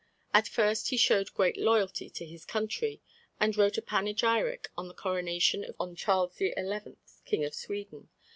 At first he showed great loyalty to his country, and wrote a panegyric on the coronation of Charles XI., King of Sweden.